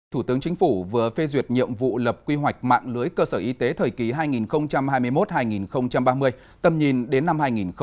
thủ tướng chính phủ vừa phê duyệt nhiệm vụ lập quy hoạch mạng lưới cơ sở y tế thời kỳ hai nghìn hai mươi một hai nghìn ba mươi tầm nhìn đến năm hai nghìn năm mươi